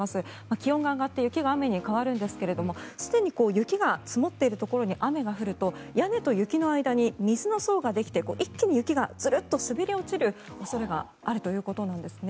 気温が上がって雪が雨に変わるんですけどもすでに雪が積もっているところに雨が降ると屋根と雪の間に水の層ができて一気に雪がずるっと滑り落ちる可能性があるということなんですね。